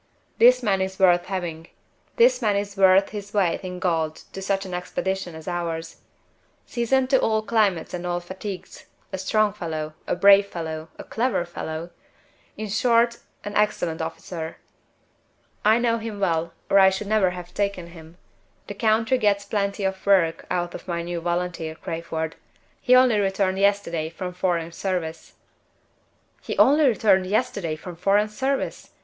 This man is worth having; this man is worth his weight in gold to such an expedition as ours. Seasoned to all climates and all fatigues a strong fellow, a brave fellow, a clever fellow in short, an excellent officer. I know him well, or I should never have taken him. The country gets plenty of work out of my new volunteer, Crayford. He only returned yesterday from foreign service." "He only returned yesterday from foreign service!